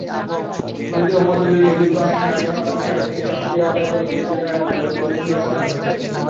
যদিও মধ্যযুগে ইউরোপে অনেক নারী সমকামী সাহিত্যিক শাস্তির আওতায় পড়ে গিয়েছিলেন এবং তাদের বই পুড়িয়ে ফেলা হয়েছে।